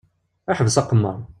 Ḥbes aqemmeṛ!